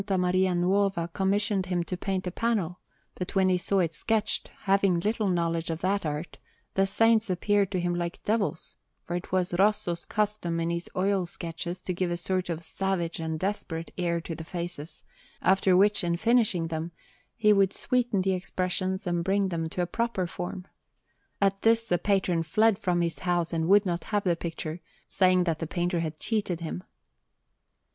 Maria Nuova commissioned him to paint a panel: but when he saw it sketched, having little knowledge of that art, the Saints appeared to him like devils; for it was Rosso's custom in his oil sketches to give a sort of savage and desperate air to the faces, after which, in finishing them, he would sweeten the expressions and bring them to a proper form. At this the patron fled from his house and would not have the picture, saying that the painter had cheated him.